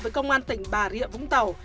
với công an tỉnh bà rịa vũng tàu